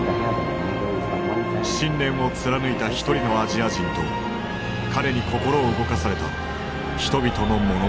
信念を貫いた一人のアジア人と彼に心を動かされた人々の物語である。